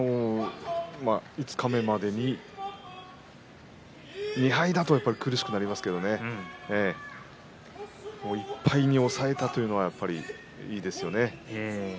五日目までに２敗だと苦しくなりますけど１敗に抑えたというのはいいですよね。